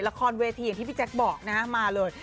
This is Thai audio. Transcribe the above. ละครเวทีอย่างที่พี่แจ๊คบอกนะฮะมาเลย